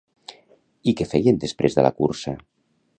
I què feien després de la cursa?